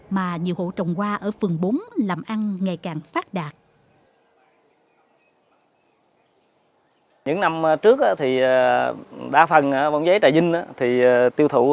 mà nhiều hộ trồng hoa ở phường bốn làm ăn ngày càng phát đạt